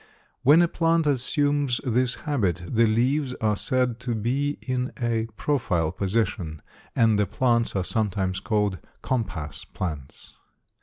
When a plant assumes this habit, the leaves are said to be in a profile position, and the plants are sometimes called "compass plants."